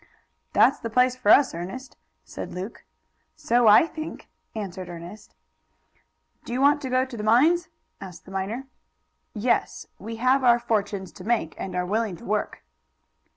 "That's the place for us, Ernest," said Luke. "So I think," answered Ernest. "Do you want to go to the mines?" asked the miner. "Yes; we have our fortunes to make, and are willing to work."